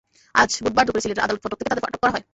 অাজ বুধবার দুপুরে সিলেটের আদালত ফটক থেকে তাদের আটক করা হয়।